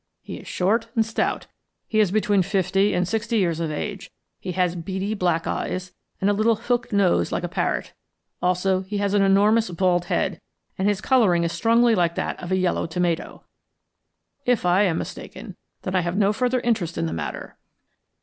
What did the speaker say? He is short and stout, he is between fifty and sixty years of age, he has beady black eyes, and a little hooked nose like a parrot. Also, he has an enormous bald head, and his coloring is strongly like that of a yellow tomato. If I am mistaken, then I have no further interest in the matter."